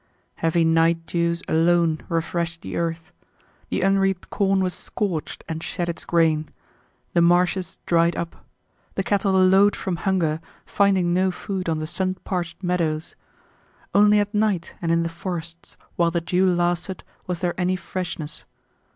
Heavy night dews alone refreshed the earth. The unreaped corn was scorched and shed its grain. The marshes dried up. The cattle lowed from hunger, finding no food on the sun parched meadows. Only at night and in the forests while the dew lasted was there any freshness.